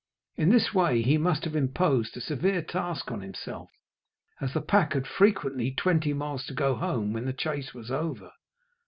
In this way he must have imposed a severe task on himself, as the pack had frequently twenty miles to go home when the chase was over.